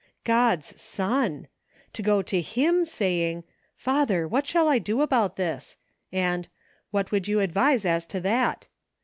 God's son ! To go to /iijn, saying :" Father, what shall I do about this.''" and, "What would you advise as to that